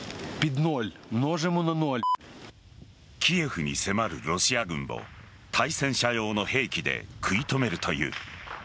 キエフに迫るロシア軍を対戦車用の兵器で食い止めるという。